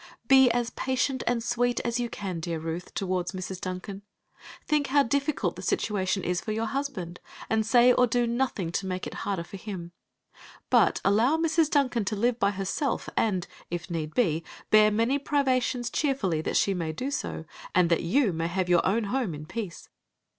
Be as patient and sweet as you can, dear Ruth, toward Mrs. Duncan; think how difficult the situation is for your husband, and say or do nothing to make it harder for him. But allow Mrs. Duncan to live by herself, and, if need be, bear many privations cheerfully that she may do so, and that you may have your own home in peace.